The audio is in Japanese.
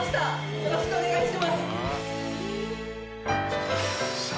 よろしくお願いします。